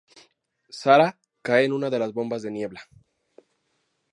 Sara cae en una de las bombas de niebla.